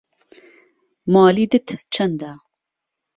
موالیدت چەندە؟